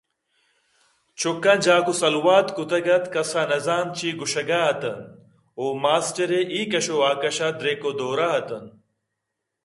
چُکاں جاک ءُ سلوات کُتگ اَت کس ءَنہ زانت چے گوٛشگ ءَ اِت اَنتءُماسٹر ے اے کش ءُآ کش ءَ دِرٛک ءُدور ءَ اِت اَنت